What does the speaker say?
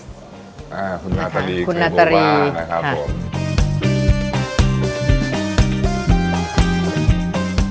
คุณนาตรีคุณโบวาคุณนาตรีคุณนาตรีครับ